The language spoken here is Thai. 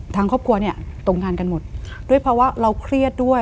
ทางครอบครัวเนี่ยตกงานกันหมดด้วยเพราะว่าเราเครียดด้วย